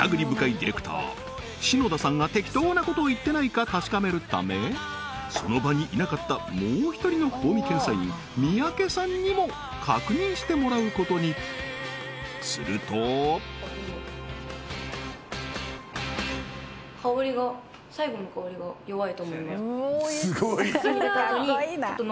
ディレクター篠田さんが適当なことを言ってないか確かめるためその場にいなかったもう一人の香味検査員三宅さんにも確認してもらうことにするとと思います